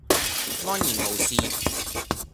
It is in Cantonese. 安然無事